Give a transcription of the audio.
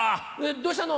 どうしたの？